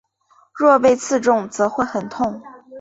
若被刺中则会很痛。